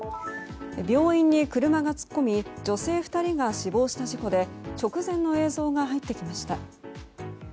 病院に車が突っ込み女性２人が死亡した事故で直前の映像が入ってきました。